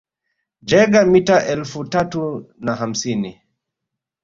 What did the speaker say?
Jaeger mita elfu tatu na hamsini